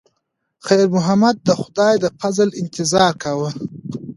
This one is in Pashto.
خیر محمد د خدای د فضل انتظار کاوه.